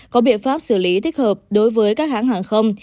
có biện pháp xử lý thích hợp đối với các hãng hàng không